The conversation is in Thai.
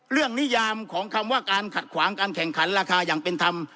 นิยามของคำว่าการขัดขวางการแข่งขันราคาอย่างเป็นธรรม